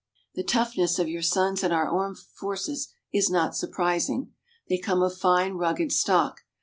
The toughness of your sons in our armed forces is not surprising. They come of fine, rugged stock.